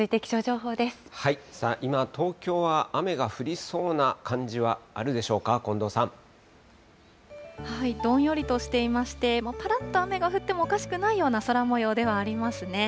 今、東京は雨が降りそうな感じはあるでしょうか、どんよりとしていまして、ぱらっと雨が降ってもおかしくないような空もようではありますね。